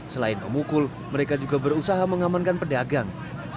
selain memukul mereka juga berusaha mengamankan pedagang